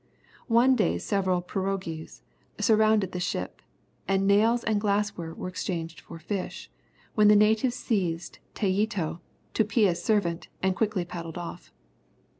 One day several pirogues surrounded the ship, and nails and glassware were exchanged for fish; when the natives seized Tayeto, Tupia's servant, and quickly paddled off.